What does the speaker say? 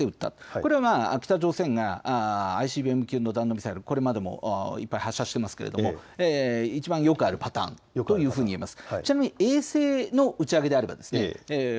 これは北朝鮮がＩＣＢＭ級の弾道ミサイルこれまでも１回発射していますがいちばんよくあるパターンというふうに見られます。